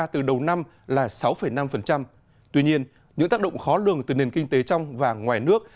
từ đầu năm là sáu năm tuy nhiên những tác động khó lường từ nền kinh tế trong và ngoài nước